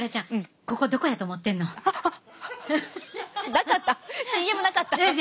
なかったＣＭなかった。